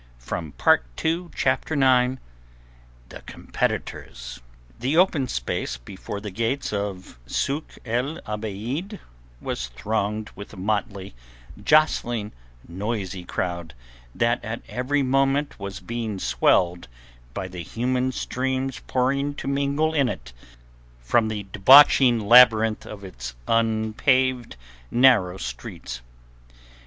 said Marzak. CHAPTER IX. COMPETITORS The open space before the gates of the sôk el Abeed was thronged with a motley, jostling, noisy crowd that at every moment was being swelled by the human streams pouring to mingle in it from the debauching labyrinth of narrow, unpaved streets.